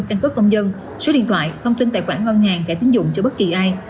canh quốc công dân số điện thoại thông tin tài khoản ngân hàng cả tín dụng cho bất kỳ ai